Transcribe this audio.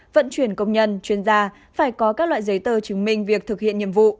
vận chuyển công nhân chuyên gia phải có các loại giấy tờ chứng minh việc thực hiện nhiệm vụ